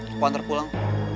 aku anter pulang